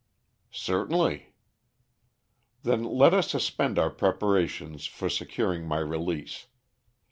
"Certainly." "Then let us suspend our preparations for securing my release.